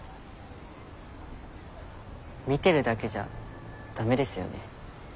見てるだけじゃ駄目ですよね。